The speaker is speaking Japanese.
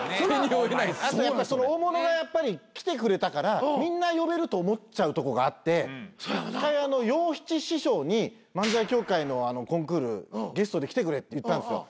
あとやっぱその大物が来てくれたからみんな呼べると思っちゃうとこがあって一回洋七師匠に漫才協会のコンクールゲストで来てくれって言ったんですよ。